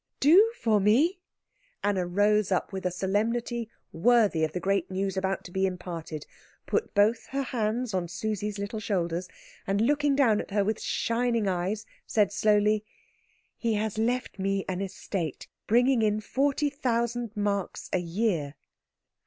"Do for me?" Anna rose up with a solemnity worthy of the great news about to be imparted, put both her hands on Susie's little shoulders, and looking down at her with shining eyes, said slowly, "He has left me an estate bringing in forty thousand marks a year."